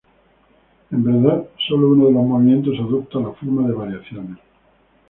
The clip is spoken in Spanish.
En verdad, sólo uno de los movimientos adopta la forma de variaciones.